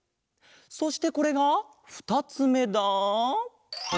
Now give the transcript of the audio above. そしてこれがふたつめだ。